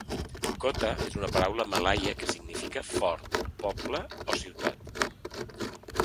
"Kota" és una paraula malaia que significa "fort", "poble" o "ciutat".